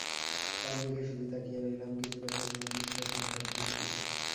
তার দিকে শুধু তাকিয়ে রইলাম, কিছুটা করুণা, কিছুটা শঙ্কার দৃষ্টিতে।